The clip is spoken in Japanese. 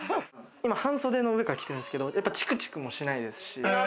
今半袖の上から着てるんですけどチクチクもしないですし。